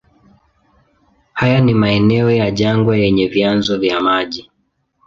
Haya ni maeneo ya jangwa yenye vyanzo vya maji.